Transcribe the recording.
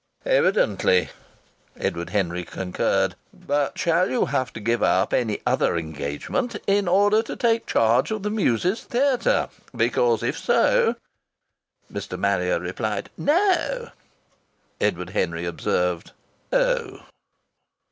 "Evidently!" Edward Henry concurred. "But shall you have to give up any other engagement in order to take charge of The Muses' Theatre? Because if so " Mr. Marrier replied: "No." Edward Henry observed: "Oh!"